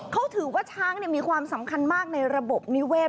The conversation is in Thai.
เขาถือว่าช้างมีความสำคัญมากในระบบนิเวศ